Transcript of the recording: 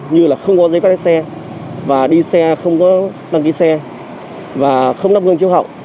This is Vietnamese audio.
như là không có giấy phép lái xe và đi xe không có đăng ký xe và không nắp hương chiếu hậu